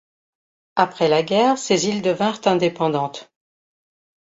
Après la guerre, ces îles devinrent indépendantes.